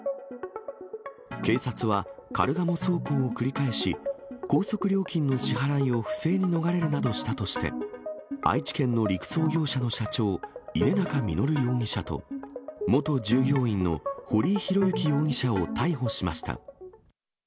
警察は、カルガモ走行を繰り返し、高速料金の支払いを不正に逃れるなどしたとして、愛知県の陸送業者の社長、稲中実容疑者と、元従業員の堀井洋幸容疑者を逮捕しました。